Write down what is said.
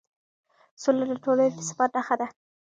سوله د ټولنې د ثبات نښه ده